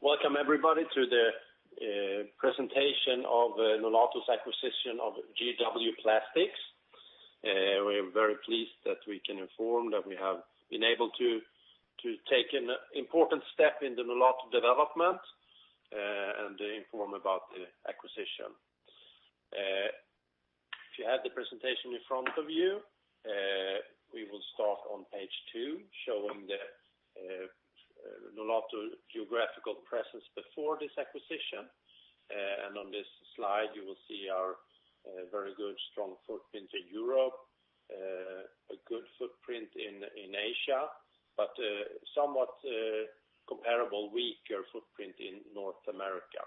Welcome everybody to the presentation of Nolato's acquisition of GW Plastics. We are very pleased that we can inform you that we have been able to take an important step in the Nolato development and inform about the acquisition. If you have the presentation in front of you, we will start on page two, showing the Nolato geographical presence before this acquisition. On this slide, you will see our very good, strong footprint in Europe, a good footprint in Asia, but somewhat comparable weaker footprint in North America.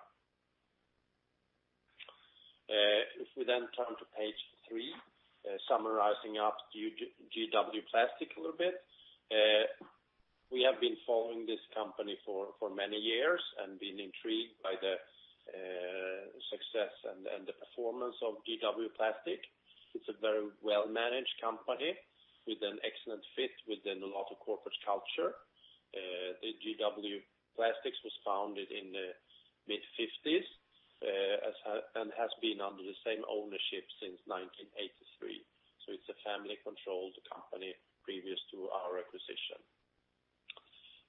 If we turn to page three, summarizing up GW Plastics a little bit. We have been following this company for many years and been intrigued by the success and the performance of GW Plastics. It's a very well-managed company with an excellent fit with the Nolato corporate culture. GW Plastics was founded in the mid-1950s, and has been under the same ownership since 1983, so it's a family-controlled company previous to our acquisition.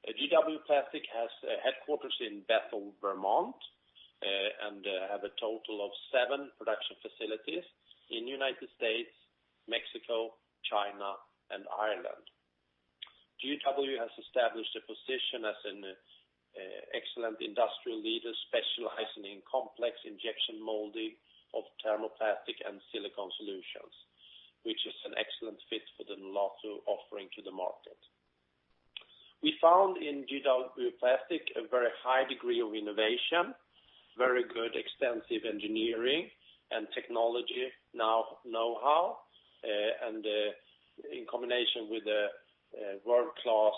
GW Plastics has a headquarters in Bethel, Vermont, and have a total of seven production facilities in the U.S., Mexico, China, and Ireland. GW has established a position as an excellent industrial leader, specializing in complex injection molding of thermoplastic and silicone solutions, which is an excellent fit for the Nolato offering to the market. We found in GW Plastics a very high degree of innovation, very good extensive engineering and technology know-how, and in combination with a world-class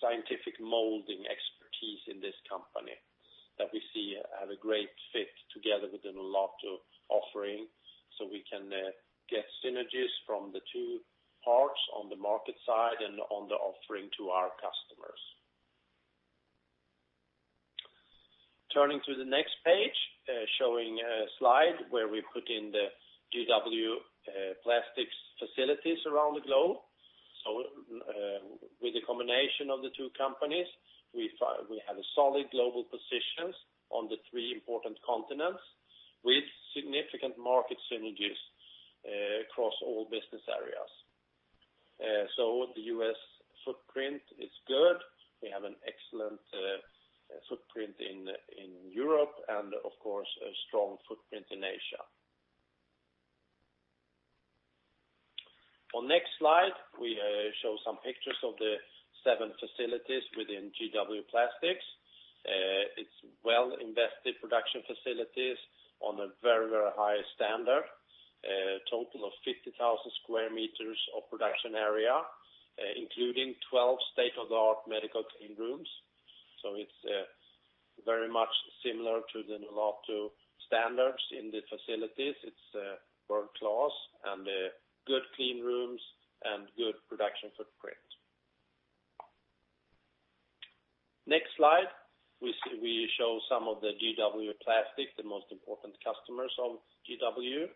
scientific molding expertise in this company that we see have a great fit together with the Nolato offering, so we can get synergies from the two parts on the market side and on the offering to our customers. Turning to the next page, showing a slide where we put in the GW Plastics facilities around the globe. With the combination of the two companies, we have a solid global position on the three important continents, with significant market synergies across all business areas. The U.S. footprint is good. We have an excellent footprint in Europe and of course, a strong footprint in Asia. On next slide, we show some pictures of the seven facilities within GW Plastics. It's well-invested production facilities on a very high standard. Total of 50,000 sq m of production area, including 12 state-of-the-art medical clean rooms. It's very much similar to the Nolato standards in the facilities. It's world-class, and good clean rooms and good production footprint. Next slide, we show some of the GW Plastics, the most important customers of GW.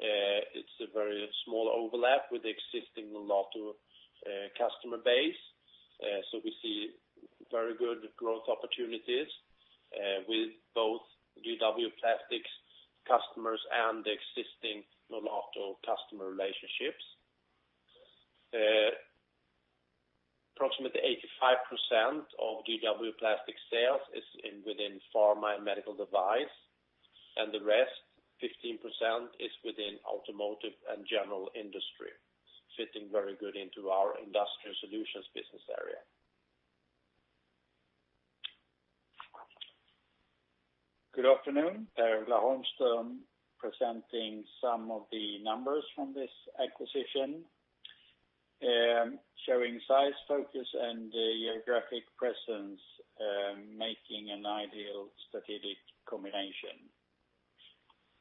It's a very small overlap with the existing Nolato customer base. We see very good growth opportunities with both GW Plastics customers and the existing Nolato customer relationships. Approximately 85% of GW Plastics sales is within pharma and medical device, and the rest, 15%, is within automotive and general industry, fitting very good into our Industrial Solutions business area. Good afternoon. Per-Ola Holmström presenting some of the numbers from this acquisition. Showing size, focus, and geographic presence, making an ideal strategic combination.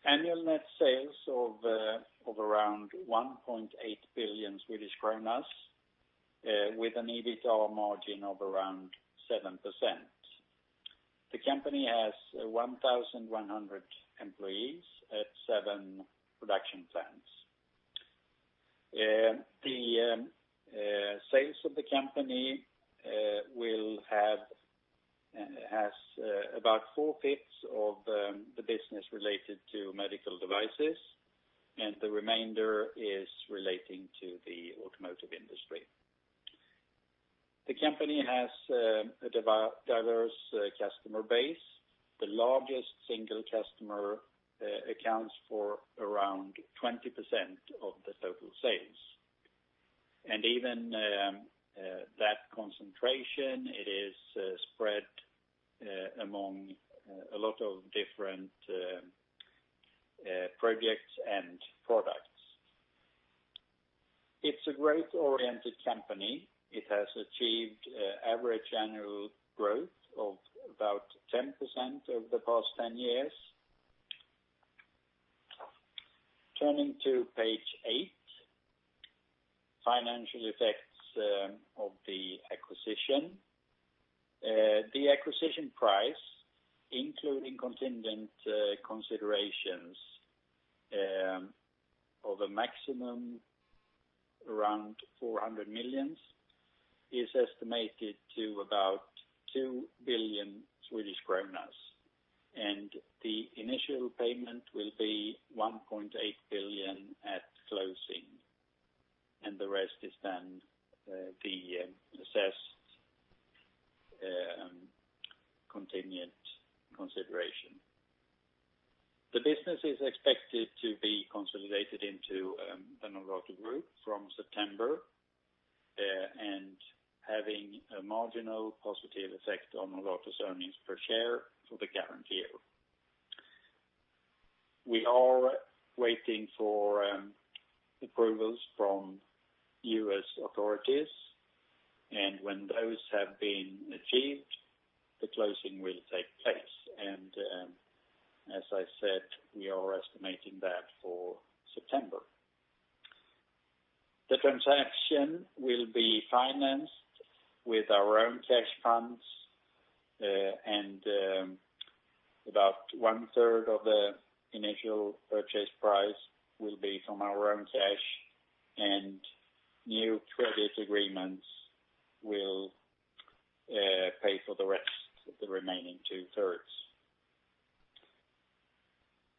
Annual net sales of around 1.8 billion Swedish kronor, with an EBITA margin of around 7%. The company has 1,100 employees at seven production plants. The sales of the company has about four-fifths of the business related to medical devices, and the remainder is relating to the automotive industry. The company has a diverse customer base. The largest single customer accounts for around 20% of the total sales. Even that concentration, it is spread among a lot of different projects and products. It's a growth-oriented company. It has achieved average annual growth of about 10% over the past 10 years. Turning to page eight, financial effects of the acquisition. The acquisition price, including contingent considerations of a maximum around 400 million, is estimated to about 2 billion Swedish kronor. The initial payment will be 1.8 billion at closing, and the rest is then the assessed contingent consideration. The business is expected to be consolidated into the Nolato Group from September, and having a marginal positive effect on Nolato's earnings per share for the current year. We are waiting for approvals from U.S. authorities, and when those have been achieved, the closing will take place. As I said, we are estimating that for September. The transaction will be financed with our own cash funds, and about one third of the initial purchase price will be from our own cash, and new credit agreements will pay for the rest of the remaining two-thirds.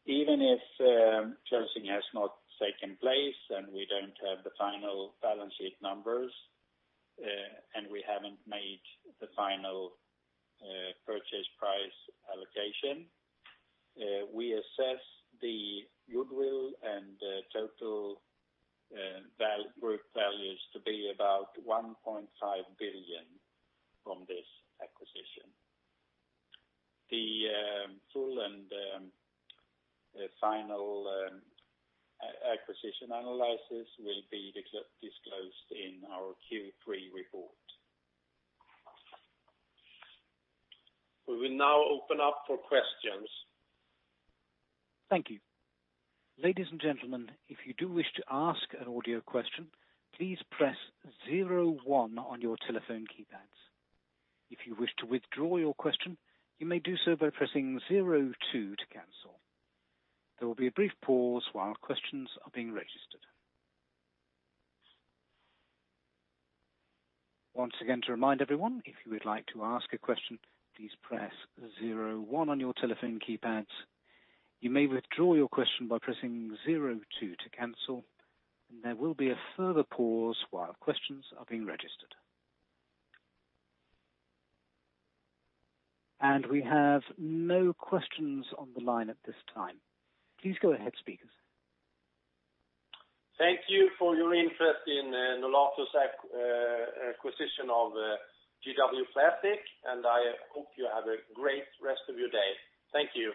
Even if closing has not taken place and we don't have the final balance sheet numbers, and we haven't made the final purchase price allocation, we assess the goodwill and total group values to be about SEK 1.5 billion from this acquisition. The full and final acquisition analysis will be disclosed in our Q3 report. We will now open up for questions. Thank you. Ladies and gentlemen, if you do wish to ask an audio question, please press zero one on your telephone keypads. If you wish to withdraw your question, you may do so by pressing zero two to cancel. There will be a brief pause while questions are being registered. Once again, to remind everyone, if you would like to ask a question, please press zero one on your telephone keypads. You may withdraw your question by pressing zero two to cancel, and there will be a further pause while questions are being registered. We have no questions on the line at this time. Please go ahead, speakers. Thank you for your interest in Nolato's acquisition of GW Plastics, and I hope you have a great rest of your day. Thank you.